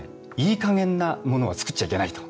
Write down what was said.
いいかげんなものは作っちゃいけないと。